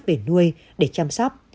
về nuôi để chăm sóc